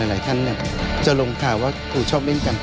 หลายท่านเนี่ยจะลงข่าวว่าเค้าชอบเล่นการพนัก